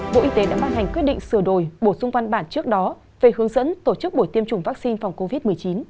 bộ y tế đã ban hành quyết định sửa đổi bổ sung văn bản trước đó về hướng dẫn tổ chức buổi tiêm chủng vaccine phòng covid một mươi chín